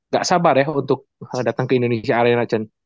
gak sabar ya untuk dateng ke indonesia arena